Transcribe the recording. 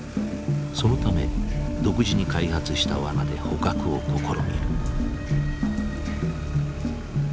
そのため独自に開発したワナで捕獲を試みる。